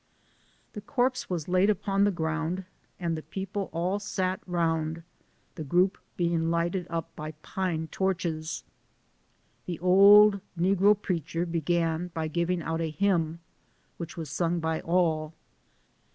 The corpse was laid upon the ground, and the people all sat round, the group being lighted up by pine torches. The old negro preacher began by giving out a hymn, which was sung by all.